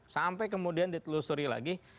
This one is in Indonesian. sampai kemudian ditelusuri lagi